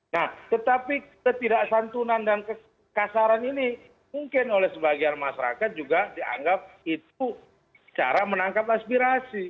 nah tetapi ketidaksantunan dan kekasaran ini mungkin oleh sebagian masyarakat juga dianggap itu cara menangkap aspirasi